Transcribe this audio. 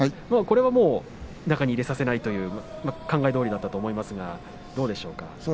中に入れさせないという考えどおりだったと思うんですがどうでしょうか。